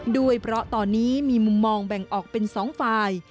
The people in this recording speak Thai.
ด้วยเพราะตอนนี้มีมุมมองแบ่งออกเป็น๒ฝ่าย